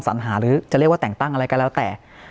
สัญหาหรือจะเรียกว่าแต่งตั้งอะไรก็แล้วแต่